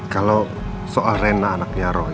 kalau soal rena anaknya roh